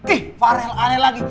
ih farel aneh lagi